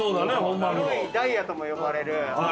黒いダイヤとも呼ばれる。